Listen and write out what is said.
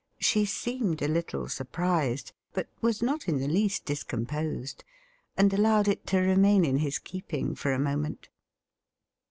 She seemed a little sur prised, but was not in the least discomposed, and allowed it to remain in his keeping for a moment.